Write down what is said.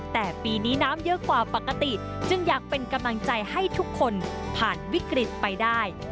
แต่ปีนี้น้ำเยอะกว่าปกติจึงอยากเป็นกำลังใจให้ทุกคนผ่านวิกฤตไปได้